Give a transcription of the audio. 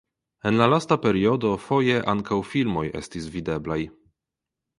En la lasta periodo foje ankaŭ filmoj estis videblaj.